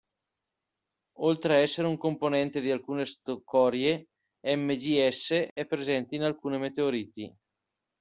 Oltre ad essere un componente di alcune scorie, MgS è presente in alcune meteoriti.